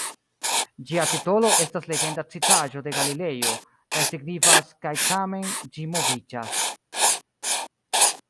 Ĝia titolo estas legenda citaĵo de Galilejo kaj signifas "kaj tamen ĝi moviĝas".